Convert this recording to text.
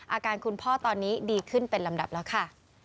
อาการคุณพ่อตอนนี้ดีขึ้นเป็นลำดับแล้วค่ะ